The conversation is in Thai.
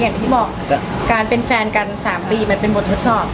อย่างที่บอกการเป็นแฟนกัน๓ปีมันเป็นบททดสอบ